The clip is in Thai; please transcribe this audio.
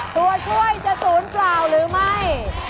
ตัวช่วยจะศูนย์เปล่าหรือไม่